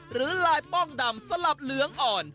หรือลายป้องดำสลับเหลืองอ่อน